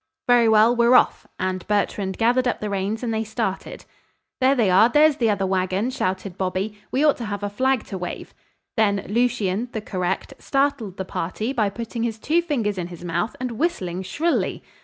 "Very well, we're off," and Bertrand gathered up the reins and they started. "There they are. There's the other wagon," shouted Bobby. "We ought to have a flag to wave." Then Lucien, the correct, startled the party by putting his two fingers in his mouth and whistling shrilly.